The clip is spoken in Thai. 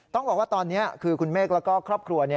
ต้องบอกว่าตอนนี้คือคุณเมฆแล้วก็ครอบครัว